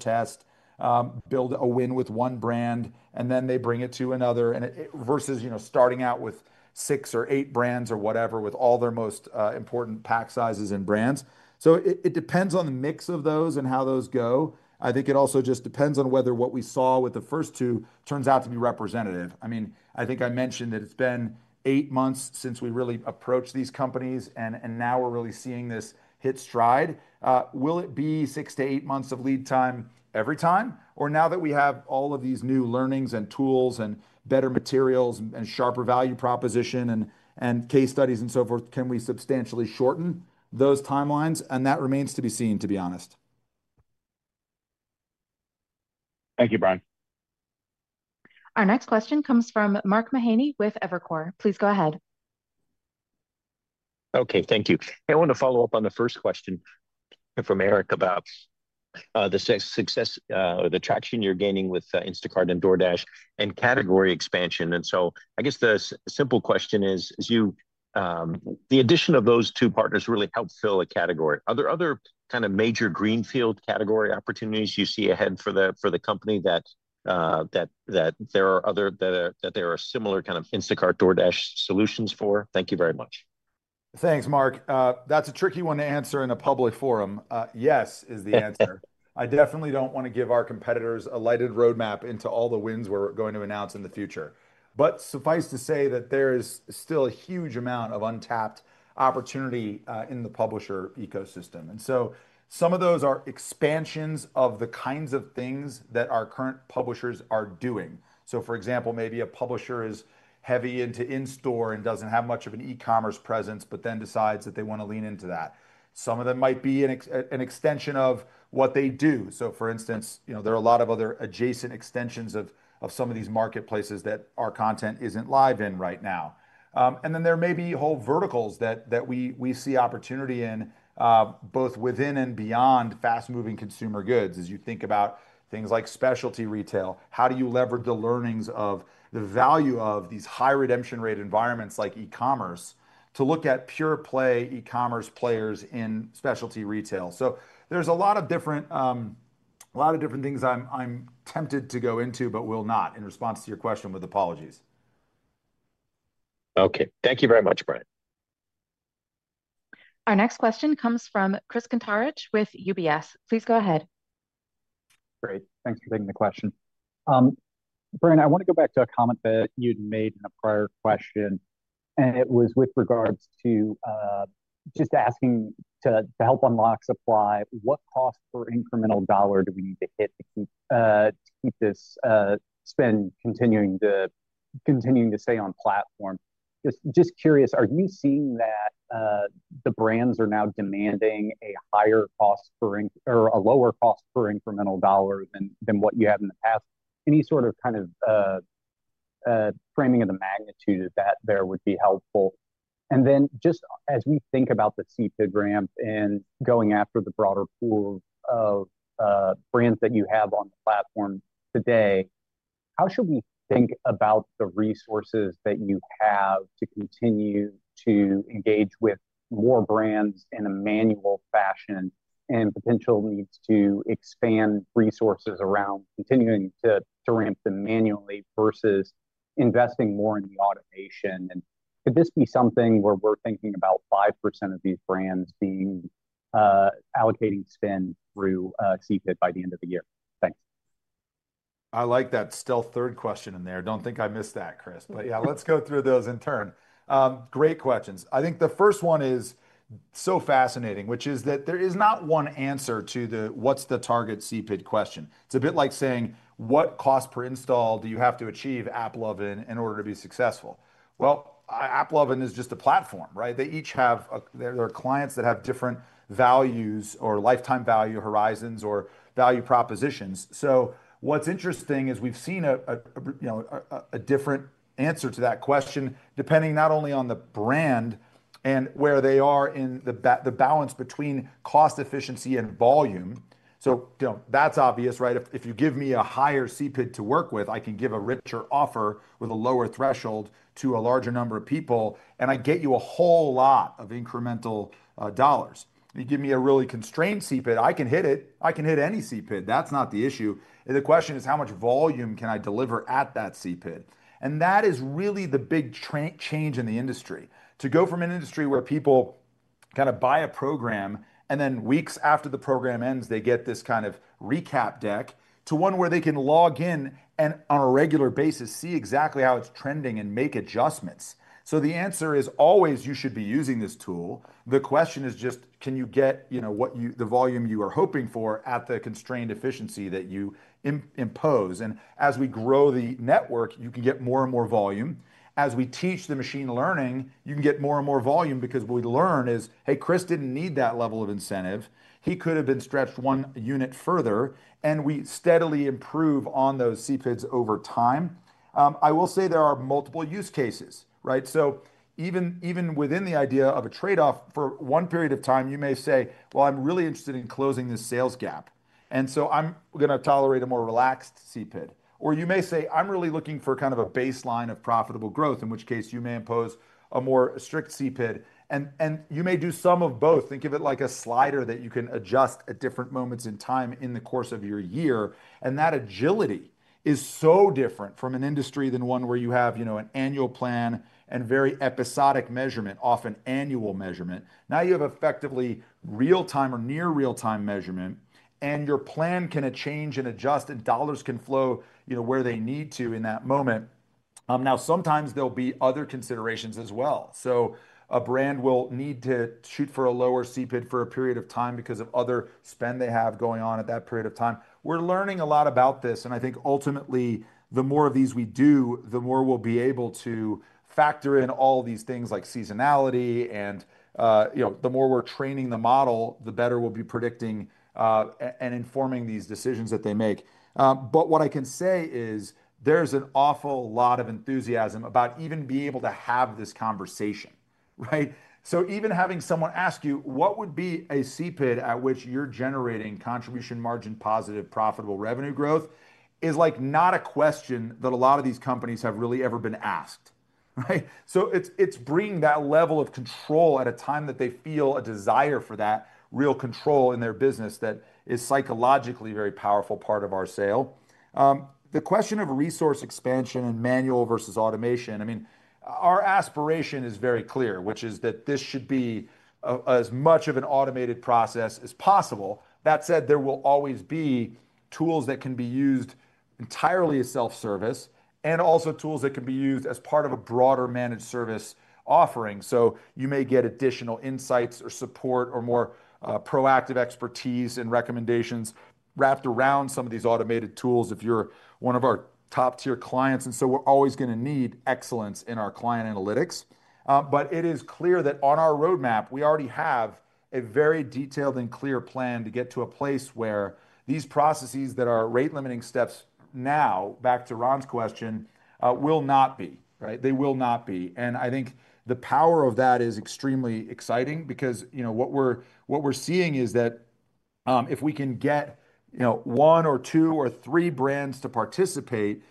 test, build a win with one brand, and then they bring it to another versus starting out with six or eight brands or whatever with all their most important pack sizes and brands. It depends on the mix of those and how those go. I think it also just depends on whether what we saw with the first two turns out to be representative. I mean, I think I mentioned that it's been eight months since we really approached these companies, and now we're really seeing this hit stride. Will it be six to eight months of lead time every time? Or now that we have all of these new learnings and tools and better materials and sharper value proposition and case studies and so forth, can we substantially shorten those timelines? That remains to be seen, to be honest. Thank you, Bryan. Our next question comes from Mark Mahaney with Evercore. Please go ahead. Okay. Thank you. I want to follow up on the first question from Eric about the success or the traction you're gaining with Instacart and DoorDash and category expansion. I guess the simple question is, the addition of those two partners really helped fill a category. Are there other kind of major greenfield category opportunities you see ahead for the company, that there are other, that there are similar kind of Instacart, DoorDash solutions for? Thank you very much. Thanks, Mark. That's a tricky one to answer in a public forum. Yes is the answer. I definitely don't want to give our competitors a lighted roadmap into all the wins we're going to announce in the future. Suffice to say that there is still a huge amount of untapped opportunity in the publisher ecosystem. Some of those are expansions of the kinds of things that our current publishers are doing. For example, maybe a publisher is heavy into in-store and does not have much of an e-commerce presence, but then decides that they want to lean into that. Some of them might be an extension of what they do. For instance, there are a lot of other adjacent extensions of some of these marketplaces that our content is not live in right now. There may be whole verticals that we see opportunity in, both within and beyond fast-moving consumer goods. As you think about things like specialty retail, how do you leverage the learnings of the value of these high redemption rate environments like e-commerce to look at pure-play e-commerce players in specialty retail? There are a lot of different things I'm tempted to go into, but will not in response to your question, with apologies. Okay. Thank you very much, Bryan. Our next question comes from Chris Kuntarich with UBS. Please go ahead. Great. Thanks for taking the question. Bryan, I want to go back to a comment that you'd made in a prior question. It was with regards to just asking to help unlock supply, what cost per incremental dollar do we need to hit to keep this spend continuing to stay on platform? Just curious, are you seeing that the brands are now demanding a higher cost per or a lower cost per incremental dollar than what you had in the past? Any sort of kind of framing of the magnitude of that there would be helpful. As we think about the CPID ramp and going after the broader pool of brands that you have on the platform today, how should we think about the resources that you have to continue to engage with more brands in a manual fashion and potential needs to expand resources around continuing to ramp them manually versus investing more in the automation? Could this be something where we're thinking about 5% of these brands allocating spend through CPID by the end of the year? Thanks. I like that still third question in there. Do not think I missed that, Chris. Let's go through those in turn. Great questions. I think the first one is so fascinating, which is that there is not one answer to the, "What's the target CPID question?" It's a bit like saying, "What cost per install do you have to achieve, AppLovin, in order to be successful?" AppLovin is just a platform, right? They each have their clients that have different values or lifetime value horizons or value propositions. What's interesting is we've seen a different answer to that question depending not only on the brand and where they are in the balance between cost efficiency and volume. That's obvious, right? If you give me a higher CPID to work with, I can give a richer offer with a lower threshold to a larger number of people, and I get you a whole lot of incremental dollars. You give me a really constrained CPID, I can hit it. I can hit any CPID. That's not the issue. The question is, how much volume can I deliver at that CPID? That is really the big change in the industry. To go from an industry where people kind of buy a program, and then weeks after the program ends, they get this kind of recap deck to one where they can log in and on a regular basis see exactly how it's trending and make adjustments. The answer is always you should be using this tool. The question is just, can you get the volume you are hoping for at the constrained efficiency that you impose? As we grow the network, you can get more and more volume. As we teach the machine learning, you can get more and more volume because what we learn is, "Hey, Chris didn't need that level of incentive. He could have been stretched one unit further. We steadily improve on those CPIDs over time. I will say there are multiple use cases, right? Even within the idea of a trade-off for one period of time, you may say, "I'm really interested in closing this sales gap, and so I'm going to tolerate a more relaxed CPID." You may say, "I'm really looking for kind of a baseline of profitable growth," in which case you may impose a more strict CPID. You may do some of both. Think of it like a slider that you can adjust at different moments in time in the course of your year. That agility is so different from an industry than one where you have an annual plan and very episodic measurement, often annual measurement. Now you have effectively real-time or near real-time measurement, and your plan can change and adjust, and dollars can flow where they need to in that moment. Sometimes there'll be other considerations as well. A brand will need to shoot for a lower CPID for a period of time because of other spend they have going on at that period of time. We're learning a lot about this. I think ultimately, the more of these we do, the more we'll be able to factor in all these things like seasonality. The more we're training the model, the better we'll be predicting and informing these decisions that they make. What I can say is there's an awful lot of enthusiasm about even being able to have this conversation, right? Even having someone ask you, "What would be a CPID at which you're generating contribution margin positive profitable revenue growth?" is not a question that a lot of these companies have really ever been asked, right? It is bringing that level of control at a time that they feel a desire for that real control in their business that is psychologically a very powerful part of our sale. The question of resource expansion and manual versus automation, I mean, our aspiration is very clear, which is that this should be as much of an automated process as possible. That said, there will always be tools that can be used entirely as self-service and also tools that can be used as part of a broader managed service offering. You may get additional insights or support or more proactive expertise and recommendations wrapped around some of these automated tools if you're one of our top-tier clients. We're always going to need excellence in our client analytics. It is clear that on our roadmap, we already have a very detailed and clear plan to get to a place where these processes that are rate-limiting steps now, back to Ron's question, will not be, right? They will not be. I think the power of that is extremely exciting because what we're seeing is that if we can get one or two or three brands to participate,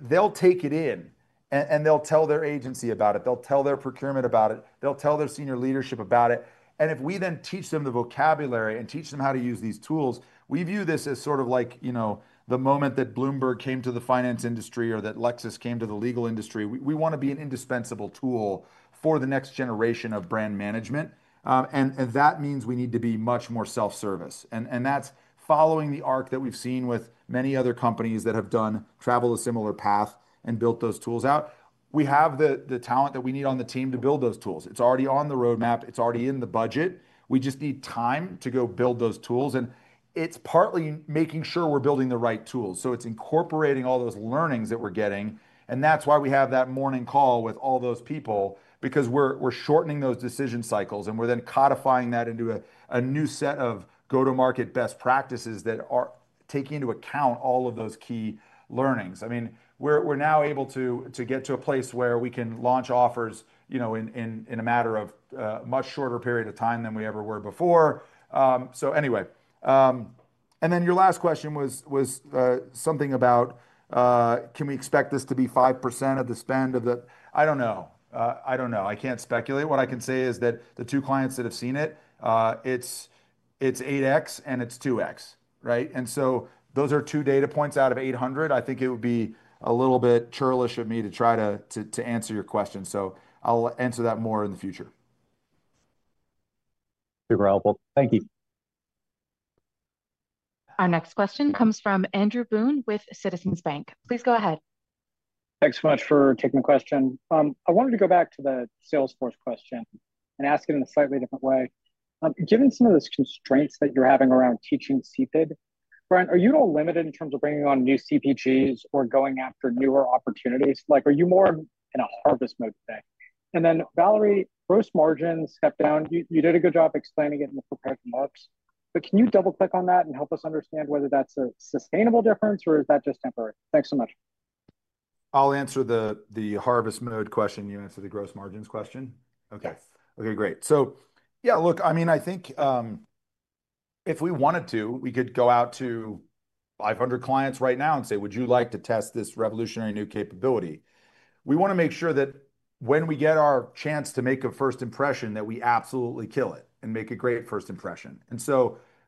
they'll take it in, and they'll tell their agency about it. They'll tell their procurement about it. They'll tell their senior leadership about it. If we then teach them the vocabulary and teach them how to use these tools, we view this as sort of like the moment that Bloomberg came to the finance industry or that Lexis came to the legal industry. We want to be an indispensable tool for the next generation of brand management. That means we need to be much more self-service. That is following the arc that we have seen with many other companies that have traveled a similar path and built those tools out. We have the talent that we need on the team to build those tools. It is already on the roadmap. It is already in the budget. We just need time to go build those tools. It is partly making sure we are building the right tools. It is incorporating all those learnings that we are getting. That is why we have that morning call with all those people because we are shortening those decision cycles. We are then codifying that into a new set of go-to-market best practices that are taking into account all of those key learnings. I mean, we are now able to get to a place where we can launch offers in a matter of a much shorter period of time than we ever were before. Anyway. Your last question was something about, "Can we expect this to be 5% of the spend of the?" I do not know. I do not know. I cannot speculate. What I can say is that the two clients that have seen it, it is 8x and it is 2x, right? Those are two data points out of 800. I think it would be a little bit churlish of me to try to answer your question. I'll answer that more in the future. Super helpful. Thank you. Our next question comes from Andrew Boone with Citizens Bank. Please go ahead. Thanks so much for taking the question. I wanted to go back to the Salesforce question and ask it in a slightly different way. Given some of the constraints that you're having around teaching CPID, Bryan, are you all limited in terms of bringing on new CPGs or going after newer opportunities? Are you more in a harvest mode today? And then Valarie, gross margins stepped down. You did a good job explaining it in the prepared remarks. But can you double-click on that and help us understand whether that's a sustainable difference or is that just temporary? Thanks so much. I'll answer the harvest mode question. You answer the gross margins question. Okay. Okay, great. Yeah, look, I mean, I think if we wanted to, we could go out to 500 clients right now and say, "Would you like to test this revolutionary new capability?" We want to make sure that when we get our chance to make a first impression, that we absolutely kill it and make a great first impression.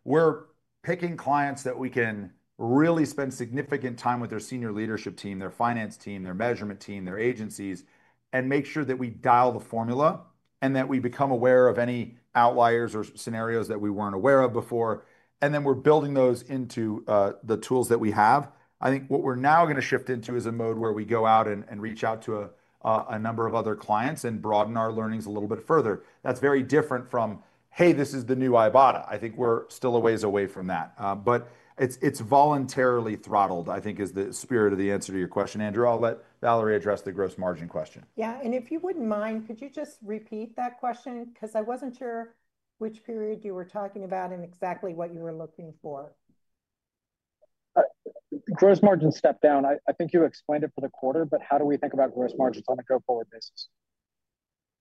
We are picking clients that we can really spend significant time with, their senior leadership team, their finance team, their measurement team, their agencies, and make sure that we dial the formula and that we become aware of any outliers or scenarios that we were not aware of before. We are building those into the tools that we have. I think what we're now going to shift into is a mode where we go out and reach out to a number of other clients and broaden our learnings a little bit further. That's very different from, "Hey, this is the new Ibotta." I think we're still a ways away from that. It's voluntarily throttled, I think, is the spirit of the answer to your question, Andrew. I'll let Valarie address the gross margin question. Yeah. And if you wouldn't mind, could you just repeat that question? Because I wasn't sure which period you were talking about and exactly what you were looking for. Gross margin stepped down. I think you explained it for the quarter, but how do we think about gross margins on a go-forward basis?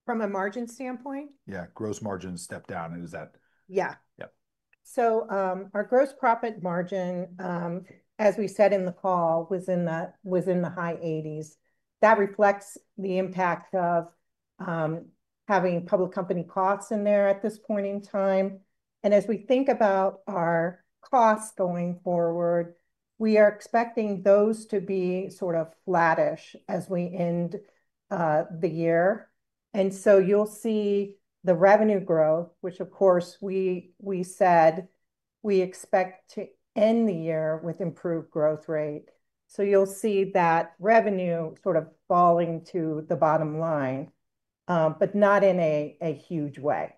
From a margin standpoint? Yeah, gross margin stepped down. Is that? Yeah. Yeah. Our gross profit margin, as we said in the call, was in the high 80s. That reflects the impact of having public company costs in there at this point in time. As we think about our costs going forward, we are expecting those to be sort of flattish as we end the year. You will see the revenue growth, which, of course, we said we expect to end the year with improved growth rate. You will see that revenue sort of falling to the bottom line, but not in a huge way.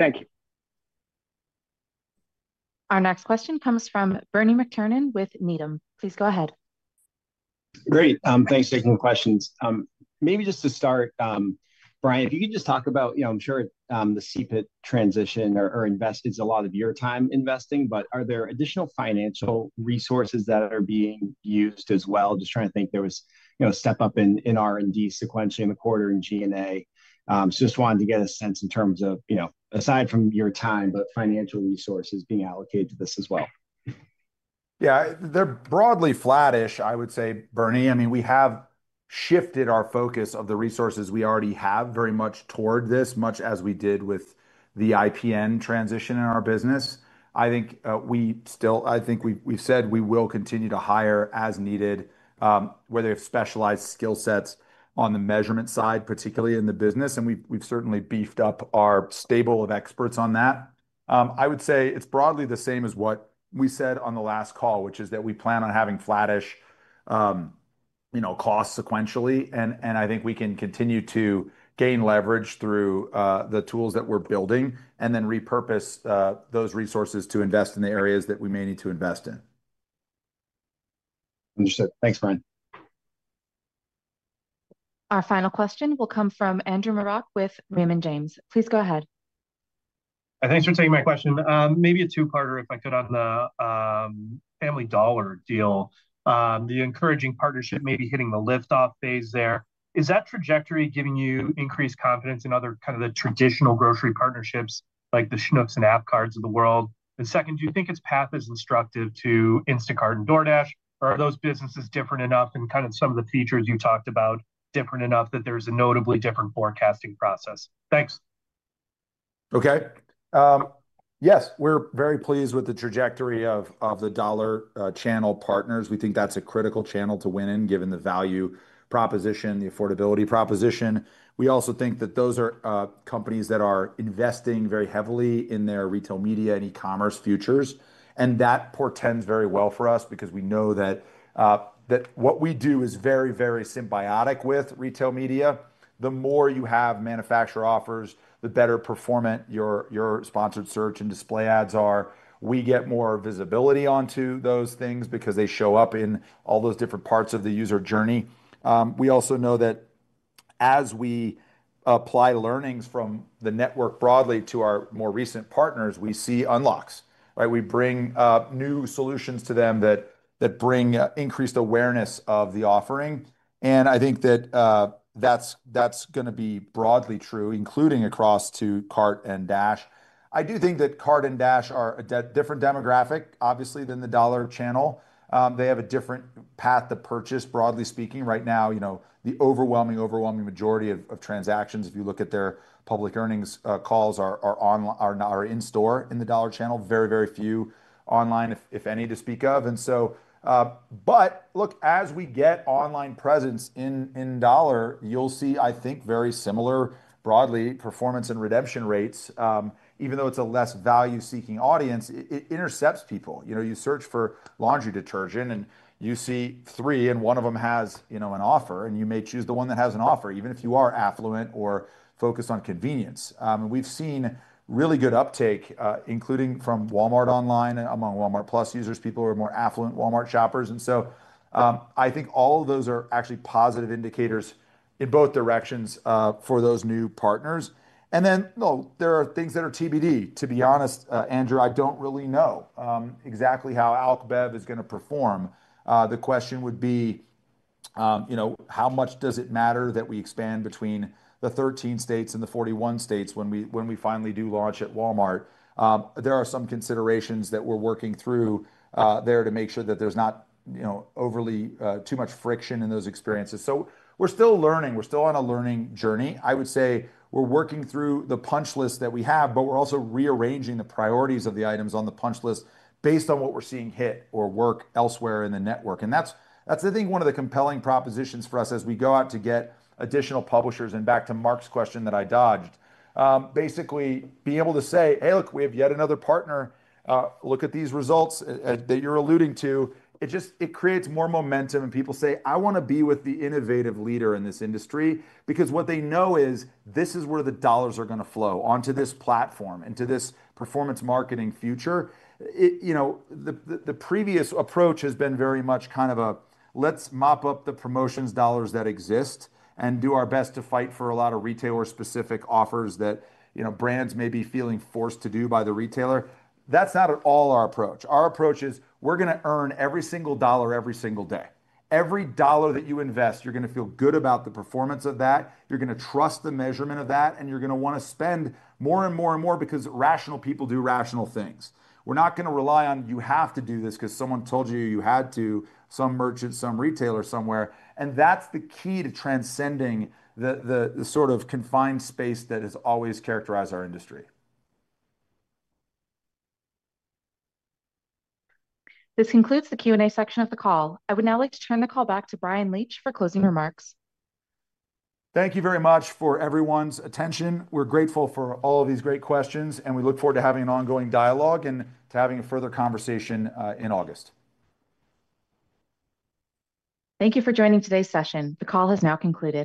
Thank you. Our next question comes from Bernie McTernan with Needham. Please go ahead. Great. Thanks for taking the questions. Maybe just to start, Bryan, if you could just talk about, I'm sure the CPID transition or investing is a lot of your time investing, but are there additional financial resources that are being used as well? Just trying to think there was a step up in R&D sequentially in the quarter in G&A. Just wanted to get a sense in terms of, aside from your time, but financial resources being allocated to this as well. Yeah, they're broadly flattish, I would say, Bernie. I mean, we have shifted our focus of the resources we already have very much toward this, much as we did with the IPN transition in our business. I think we still, I think we've said we will continue to hire as needed, whether you have specialized skill sets on the measurement side, particularly in the business. We have certainly beefed up our stable of experts on that. I would say it is broadly the same as what we said on the last call, which is that we plan on having flattish costs sequentially. I think we can continue to gain leverage through the tools that we are building and then repurpose those resources to invest in the areas that we may need to invest in. Understood. Thanks, Bryan. Our final question will come from Andrew Murak with Raymond James. Please go ahead. Thanks for taking my question. Maybe a two-parter if I could on the Family Dollar deal. The encouraging partnership may be hitting the liftoff phase there. Is that trajectory giving you increased confidence in other kind of the traditional grocery partnerships like the Schnucks and AppCard of the world? And second, do you think its path is instructive to Instacart and DoorDash? Or are those businesses different enough and kind of some of the features you talked about different enough that there's a notably different forecasting process? Thanks. Okay. Yes, we're very pleased with the trajectory of the dollar channel partners. We think that's a critical channel to win in given the value proposition, the affordability proposition. We also think that those are companies that are investing very heavily in their retail media and e-commerce futures. That portends very well for us because we know that what we do is very, very symbiotic with retail media. The more you have manufacturer offers, the better performant your sponsored search and display ads are. We get more visibility onto those things because they show up in all those different parts of the user journey. We also know that as we apply learnings from the network broadly to our more recent partners, we see unlocks, right? We bring new solutions to them that bring increased awareness of the offering. I think that that's going to be broadly true, including across to Cart and Dash. I do think that Cart and Dash are a different demographic, obviously, than the dollar channel. They have a different path to purchase, broadly speaking. Right now, the overwhelming, overwhelming majority of transactions, if you look at their public earnings calls, are in store in the dollar channel. Very, very few online, if any, to speak of. As we get online presence in dollar, you'll see, I think, very similar broadly performance and redemption rates. Even though it's a less value-seeking audience, it intercepts people. You search for laundry detergent, and you see three, and one of them has an offer, and you may choose the one that has an offer, even if you are affluent or focused on convenience. We have seen really good uptake, including from Walmart Online, among Walmart Plus users, people who are more affluent Walmart shoppers. I think all of those are actually positive indicators in both directions for those new partners. There are things that are TBD. To be honest, Andrew, I do not really know exactly how AlchBev is going to perform. The question would be, how much does it matter that we expand between the 13 states and the 41 states when we finally do launch at Walmart? There are some considerations that we are working through there to make sure that there is not overly too much friction in those experiences. We're still learning. We're still on a learning journey. I would say we're working through the punch list that we have, but we're also rearranging the priorities of the items on the punch list based on what we're seeing hit or work elsewhere in the network. I think that's one of the compelling propositions for us as we go out to get additional publishers. Back to Mark's question that I dodged, basically being able to say, "Hey, look, we have yet another partner. Look at these results that you're alluding to." It creates more momentum and people say, "I want to be with the innovative leader in this industry," because what they know is this is where the dollars are going to flow onto this platform and to this performance marketing future. The previous approach has been very much kind of a, "Let's mop up the promotions dollars that exist and do our best to fight for a lot of retailer-specific offers that brands may be feeling forced to do by the retailer." That's not at all our approach. Our approach is we're going to earn every single dollar every single day. Every dollar that you invest, you're going to feel good about the performance of that. You're going to trust the measurement of that, and you're going to want to spend more and more and more because rational people do rational things. We're not going to rely on, "You have to do this because someone told you you had to," some merchant, some retailer somewhere. That is the key to transcending the sort of confined space that has always characterized our industry. This concludes the Q&A section of the call. I would now like to turn the call back to Bryan Leach for closing remarks. Thank you very much for everyone's attention. We're grateful for all of these great questions, and we look forward to having an ongoing dialogue and to having a further conversation in August. Thank you for joining today's session. The call has now concluded.